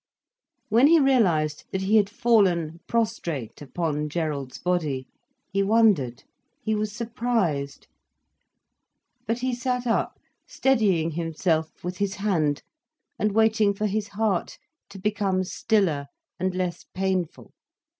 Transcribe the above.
When he realised that he had fallen prostrate upon Gerald's body he wondered, he was surprised. But he sat up, steadying himself with his hand and waiting for his heart to become stiller and less painful.